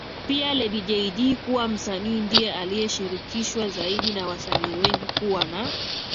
Pia Lady Jay Dee kuwa msanii ndiye aliyeshirikishwa zaidi na wasanii wengine kuwa na